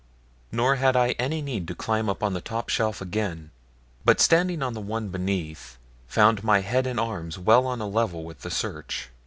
Nor had I any need to climb up on to the top shelf again, but standing on the one beneath, found my head and arms well on a level with the search.